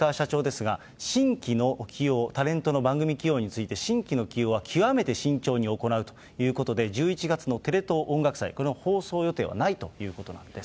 さらにいしかわ社長ですが、新規の起用、タレントの番組起用について、新規の起用は極めて慎重に行うということで、１１月のテレ東音楽祭、これの放送予定はないということなんです。